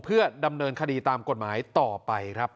เพื่อดำเนินคดีตามกฎหมายต่อไปครับ